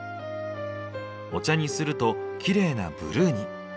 お茶にするとキレイなブルーに。